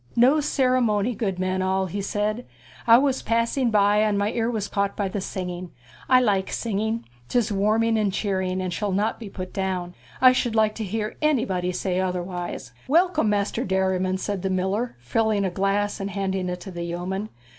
'No ceremony, good men all,' he said; 'I was passing by, and my ear was caught by the singing. I like singing; 'tis warming and cheering, and shall not be put down. I should like to hear anybody say otherwise.' 'Welcome, Master Derriman,' said the miller, filling a glass and handing it to the yeoman.